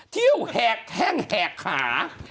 เที่ยวแห่งแห่งขา